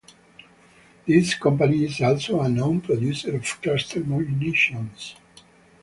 This company is also a known producer of cluster munitions.